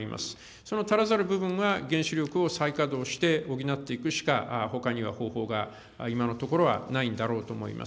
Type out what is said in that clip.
その足らざる部分は、原子力を再稼働して補っていくしか、ほかには方法が、今のところはないんだろうと思います。